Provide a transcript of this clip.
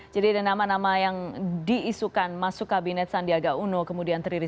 jadi ada nama nama yang diisukan masuk kabinet sandiaga uno kemudian teriri rizal